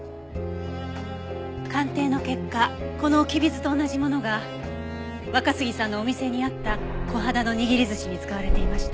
鑑定の結果このきび酢と同じものが若杉さんのお店にあったコハダの握り寿司に使われていました。